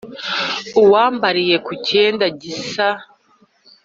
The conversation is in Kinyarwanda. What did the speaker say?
Uwambariye ku cyenda gisa?"